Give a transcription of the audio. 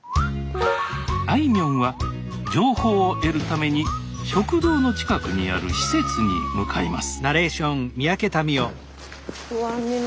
あいみょんは情報を得るために食堂の近くにある施設に向かいますえ？